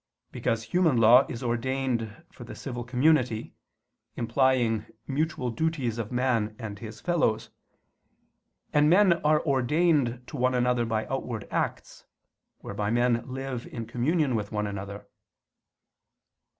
Because human law is ordained for the civil community, implying mutual duties of man and his fellows: and men are ordained to one another by outward acts, whereby men live in communion with one another.